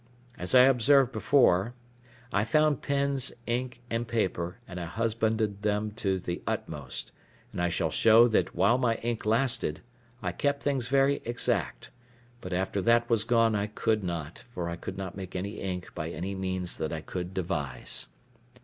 As I observed before, I found pens, ink, and paper, and I husbanded them to the utmost; and I shall show that while my ink lasted, I kept things very exact, but after that was gone I could not, for I could not make any ink by any means that I could devise.